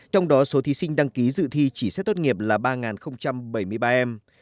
trong đó số thí sinh đăng ký dự thi chỉ xét tốt nghiệp là ba bảy mươi ba em